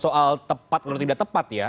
soal tepat atau tidak tepat ya